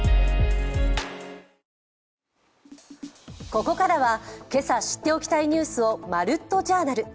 ここからは今朝知っておきたいニュースを「まるっと！Ｊｏｕｒｎａｌ」。